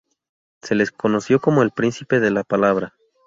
Se le conoció como el "Príncipe de la Palabra".